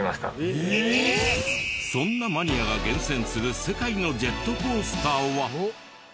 そんなマニアが厳選する世界のジェットコースターは。